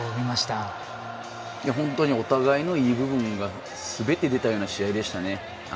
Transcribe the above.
本当にお互いのいい部分がすべて出たような試合でしたね。